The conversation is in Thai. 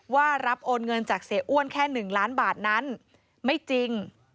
ว่ารับโอนเงินจากเสียอ้วนแค่๑ล้านบาทนั้นไม่จริง